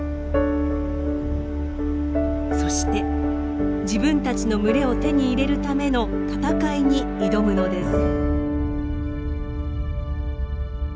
そして自分たちの群れを手に入れるための戦いに挑むのです。